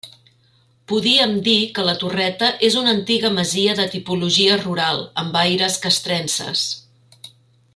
Podíem dir que la Torreta és una antiga masia de tipologia rural, amb aires castrenses.